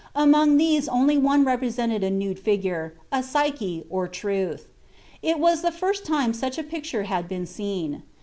Among these only one represented a nude figure, a Psyche, or Truth. It was the first time such a picture had been seen.